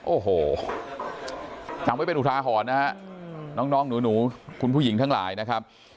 โอ้โหจำไว้เป็นอุทาหรณ์นะฮะน้องหนูคุณผู้หญิงทั้งหลายนะครับ